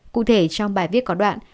cụ thể trong bài viết có đoạn